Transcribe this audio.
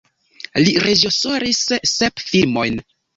Li reĝisoris sep filmojn.